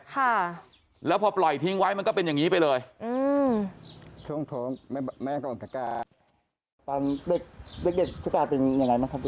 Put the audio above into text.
ค่ะแล้วพอปล่อยทิ้งไว้มันก็เป็นอย่างงี้ไปเลย